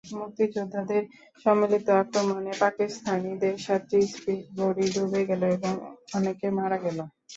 মুক্তিযোদ্ধাদের সম্মিলিত আক্রমণে পাকিস্তানিদের সাতটি স্পিডবোটই ডুবে গেল এবং অনেকে মারা গেল।